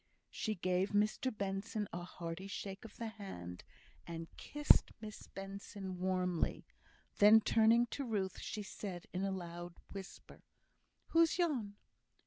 She gave Mr Benson a hearty shake of the hand, and kissed Miss Benson warmly; then, turning to Ruth, she said, in a loud whisper, "Who's yon?"